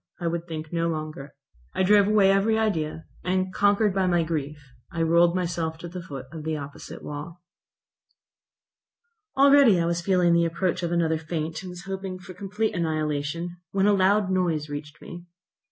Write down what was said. I would think no longer. I drove away every idea, and, conquered by my grief, I rolled myself to the foot of the opposite wall. Already I was feeling the approach of another faint, and was hoping for complete annihilation, when a loud noise reached me.